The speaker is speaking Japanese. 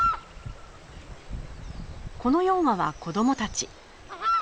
この４羽は子どもたち。